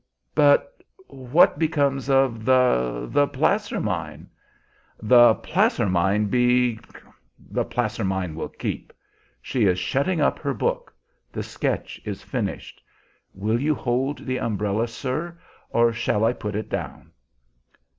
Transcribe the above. "But what becomes of the the placer mine?" "The placer mine be the placer mine will keep! She is shutting up her book; the sketch is finished. Will you hold the umbrella, sir, or shall I put it down?"